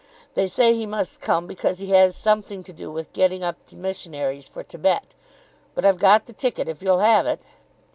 They say he must come because he has something to do with getting up the missionaries for Thibet. But I've got the ticket, if you'll have it."